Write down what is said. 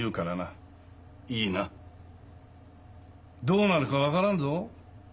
どうなるかわからんぞ。